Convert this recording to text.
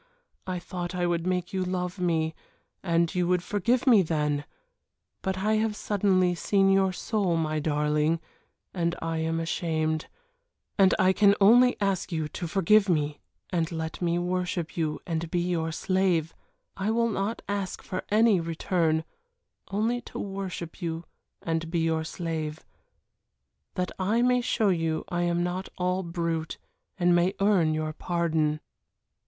I thought I would make you love me, and you would forgive me then. But I have suddenly seen your soul, my darling, and I am ashamed, and I can only ask you to forgive me and let me worship you and be your slave I will not ask for any return only to worship you and be your slave that I may show you I am not all brute and may earn your pardon."